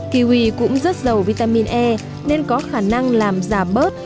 kiwi cũng rất giàu vitamin e nên có khả năng làm giảm bớt